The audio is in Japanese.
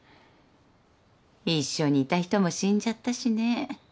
一緒にいた人も死んじゃったしね。